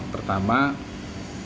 pertama punya hubungan yang